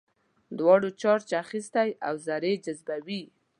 دواړو چارج اخیستی او ذرې جذبوي.